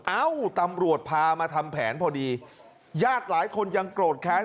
เอ้าตำรวจพามาทำแผนพอดีญาติหลายคนยังโกรธแค้น